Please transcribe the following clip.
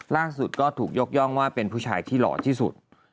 ล่าสุดก็ถูกยกย่องว่าเป็นผู้ชายที่หล่อที่สุด